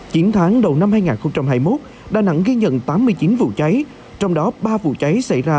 chiến thắng đầu năm hai nghìn hai mươi một đà nẵng gây nhận tám mươi chín vụ cháy trong đó ba vụ cháy xảy ra